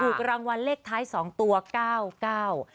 ถูกรางวัลเลขท้ายสองตัวเก้าเก้า